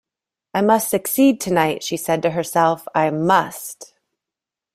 "I must succeed tonight," she said to herself — "I must!"